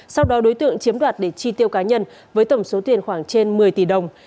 sau đó đối tượng chiếm đoạt để chi tiêu cá nhân với tổng số tiền khoảng trên một mươi tỷ đồng